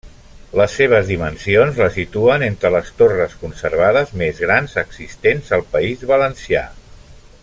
Les seves dimensions la situen entre les torres conservades més grans existents al País Valencià.